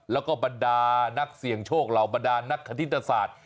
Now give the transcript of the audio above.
แล้วก็บรรดานักเสี่ยงโชคเหล่าบรรดานักคณิตศาสตร์